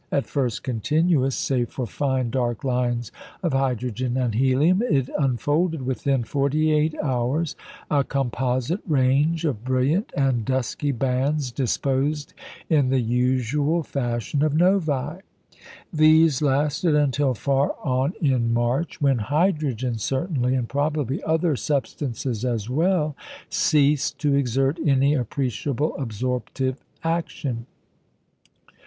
At first continuous, save for fine dark lines of hydrogen and helium, it unfolded within forty eight hours a composite range of brilliant and dusky bands disposed in the usual fashion of Novæ. These lasted until far on in March, when hydrogen certainly, and probably other substances as well, ceased to exert any appreciable absorptive action.